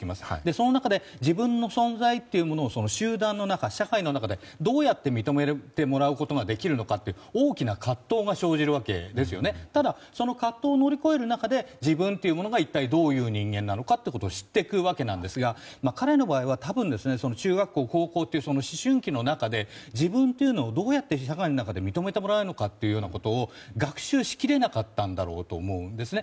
その中で自分の存在というものを、集団の中社会の中でどうやって認めてもらえるのか大きな葛藤が生じるわけでただ、その葛藤を乗り越える中で自分というものが一体どういう人間なのかを知っていくわけなんですが彼の場合は多分、中学校、高校という思春期の中で自分というのをどうやって社会の中で認めてもらうかを学習しきれなかったんだろうと思うんですね。